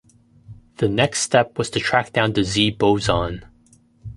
The next step was to track down the Z boson.